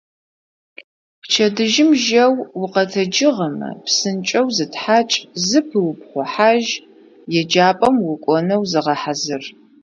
Пчэдыжьым жьэу укъэтэджыгъэмэ, псынкӏэу зытхьакӏ, зыпыупхъухьажь, еджапӏэм укӏонэу зыгъэхьазыр.